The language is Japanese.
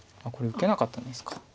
あっこれ受けなかったんですか。